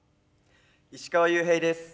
石川裕平です。